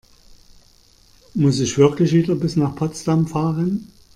Muss ich wirklich wieder bis nach Potsdam fahren?